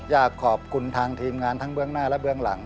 อยากขอบคุณทางทีมงานทั้งเบื้องหน้าและเบื้องหลัง